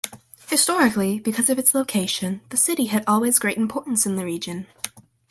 Historically, because of its location, the city had always great importance in the region.